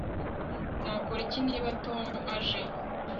Nakora iki niba Tom aje